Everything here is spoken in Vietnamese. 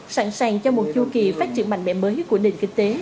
sẵn sàng cho một chu kỳ phát triển mạnh mẽ mới của nền kinh tế